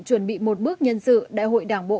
chuẩn bị một bước nhân sự đại hội đảng bộ